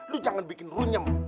lu jangan bikin runyam